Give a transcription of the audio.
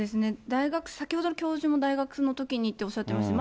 大学、先ほどの教授も大学のときにっておっしゃってました。